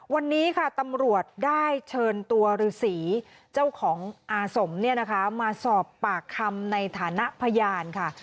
วันนี้ค่ะตำรวจได้เชิญตัวฤษีเจ้าของอาสมเนี่ยนะคะมาสอบปากคำในฐานะพยานค่ะ